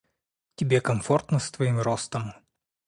Тебе комфортно с твоим ростом?